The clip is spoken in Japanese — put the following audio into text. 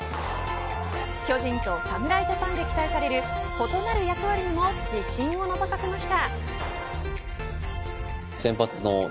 巨人と侍ジャパンで期待される異なる役割にも自信をのぞかせました。